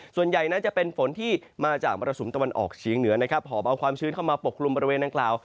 ส่วนใหญ่นั้นจะเป็นฝนที่มาจากมรสุมตะวันออกเฉียงเหนือนะครับหอบเอาความชื้นเข้ามาปกกลุ่มบริเวณดังกล่าว